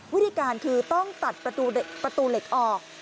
วิธีการคือต้องตัดประตูเหล็กออก